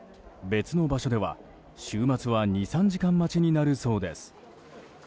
別の場所では週末は２３時間待ちになるそうです。